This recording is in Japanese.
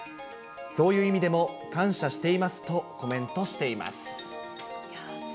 そういう意味でも感謝していますとコメントしています。